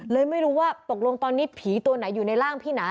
เลยไม่รู้ว่าตกลงตอนนี้ผีตัวไหนอยู่ในร่างพี่หนา